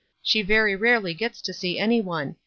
She very rarely gets to see any one.